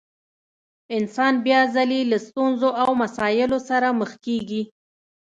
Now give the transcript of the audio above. انسان بيا ځلې له ستونزو او مسايلو سره مخ کېږي.